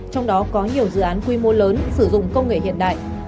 trong đó có nhiều dự án quy mô lớn sử dụng công nghệ hiện đại